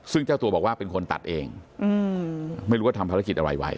ซึ่งเจ้าตัวบอกว่าเป็นคนตัดเองไม่รู้ว่าทำภารกิจอะไรไว้